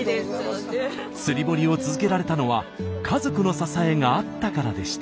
釣り堀を続けられたのは家族の支えがあったからでした。